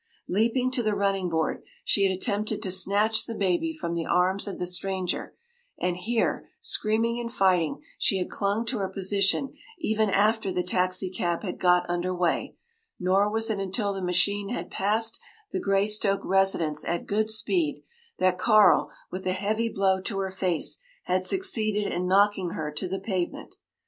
Leaping to the running board, she had attempted to snatch the baby from the arms of the stranger, and here, screaming and fighting, she had clung to her position even after the taxicab had got under way; nor was it until the machine had passed the Greystoke residence at good speed that Carl, with a heavy blow to her face, had succeeded in knocking her to the pavement.